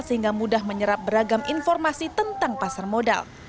sehingga mudah menyerap beragam informasi tentang pasar modal